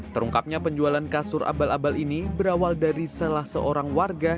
terungkapnya penjualan kasur abal abal ini berawal dari salah seorang warga